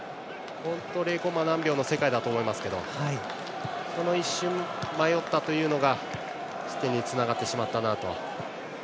０コンマ何秒の世界だと思いますがその一瞬、迷ったというのが失点につながってしまったなと。